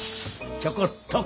ちょこっと貸せ。